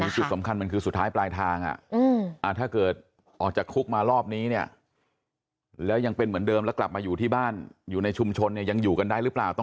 จุดสำคัญมันคือสุดท้ายปลายทางถ้าเกิดออกจากคุกมารอบนี้เนี่ยแล้วยังเป็นเหมือนเดิมแล้วกลับมาอยู่ที่บ้านอยู่ในชุมชนเนี่ยยังอยู่กันได้หรือเปล่า